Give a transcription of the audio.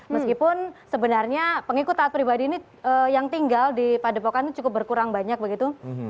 meskipun sebenarnya pengikut taat pribadi ini yang tinggal di padepokan cukup berkurang banyak begitu